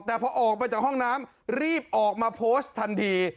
แต่พอออกไปจากห้องน้ำรีบออกมาโพสต์ทันที